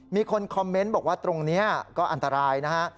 มีคนคอมเมนต์บอกว่าตรงนี้ก็อันตรายนะฮะ